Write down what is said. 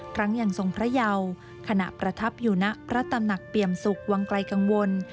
ครั้งยังทรงพระเยาขณะประทับอยู่ณพระตำหนักเปี่ยมสุขวังไกลกังวล